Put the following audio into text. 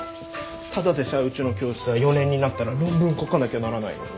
ただでさえうちの教室は４年になったら論文書かなきゃならないのに。